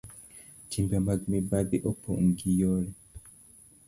Timbe mag mibadhi opong ' gi yore